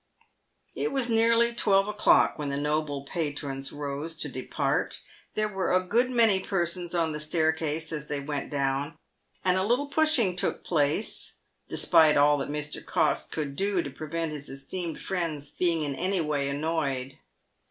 It was nearly twelve o'clock when the noble patrons rose to depart. There were a good many persons on the staircase as they went down, and a little pushing took place, despite all that Mr. Cox could do to prevent his esteemed friends being in any way annoyed.